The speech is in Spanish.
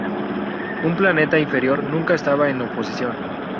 Un planeta inferior nunca estaba en oposición.